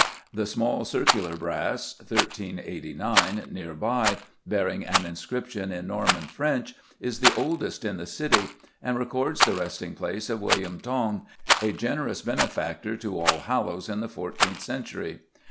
The small circular brass (1389) near by, bearing an inscription in Norman French, is the oldest in the City, and records the resting place of William Tonge, a generous benefactor to Allhallows in the fourteenth century.